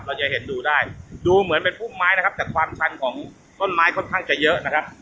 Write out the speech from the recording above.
เราจะเห็นดูได้ดูเหมือนเป็นพุ่มไม้นะครับแต่ความชันของต้นไม้ค่อนข้างจะเยอะนะครับ